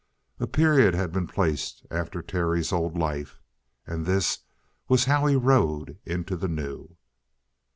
A period had been placed after Terry's old life. And this was how he rode into the new.